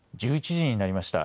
１１時になりました。